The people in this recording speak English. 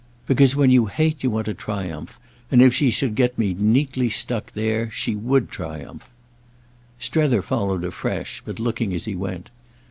"Because when you hate you want to triumph, and if she should get me neatly stuck there she would triumph." Strether followed afresh, but looking as he went.